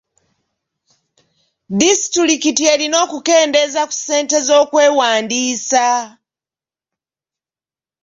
Disitulikiti erina okukendeeza ku ssente z'okwewandiisa.